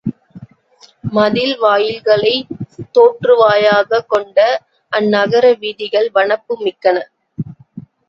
மதில் வாயில்களைத் தோற்றுவாயாகக் கொண்ட அந் நகர வீதிகள் வனப்பு மிக்கன.